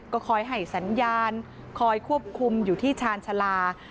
ก็คอยให้สัญญาณคอยควบคุมอยู่ที่ชาญชาลา